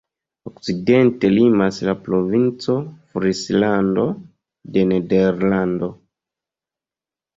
Okcidente limas la Provinco Frislando de Nederlando.